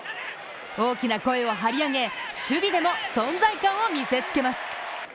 大きな声を張り上げ守備でも存在感を見せつけます。